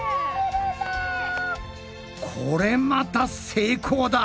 これまた成功だ！